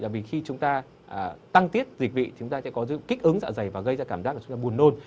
vì khi chúng ta tăng tiết dịch vị thì chúng ta sẽ có kích ứng dạ dày và gây ra cảm giác của chúng ta buồn nôn